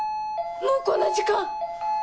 もうこんな時間！